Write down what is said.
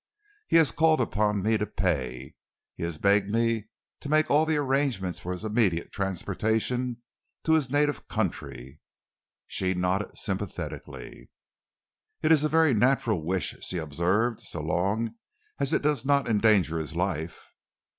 He has called upon me to pay. He has begged me to make all the arrangements for his immediate transportation to his native country." She nodded sympathetically. "It is a very natural wish," she observed, "so long as it does not endanger his life."